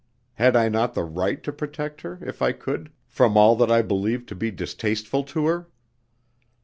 Had I not the right to protect her, if I could, from all that I believed to be distasteful to her?